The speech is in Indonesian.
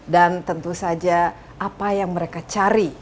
dan tentu saja apa yang mereka cari